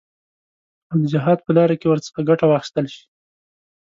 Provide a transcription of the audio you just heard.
او د جهاد په لاره کې ورڅخه ګټه واخیستل شي.